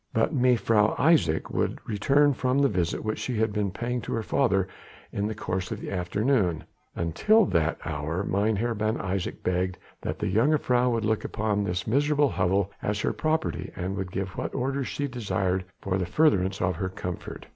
But Mevrouw Isaje would return from the visit which she had been paying to her father in the course of the afternoon, until that hour Mynheer Ben Isaje begged that the jongejuffrouw would look upon this miserable hovel as her property and would give what orders she desired for the furtherance of her comfort.